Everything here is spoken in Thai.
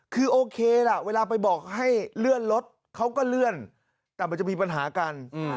คือโอเคล่ะเวลาไปบอกให้เลื่อนรถเขาก็เลื่อนแต่มันจะมีปัญหากัน